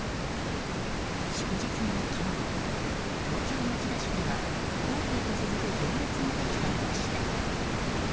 祝日の今日東京・町田市ではホールへと続く行列ができていました。